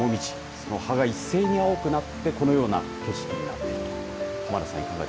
その葉が一斉に青くなってこのような景色になっている。